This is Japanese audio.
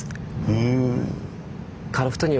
へえ。